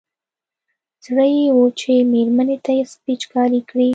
زړه يې و چې مېرمنې ته يې پېچکاري کړي.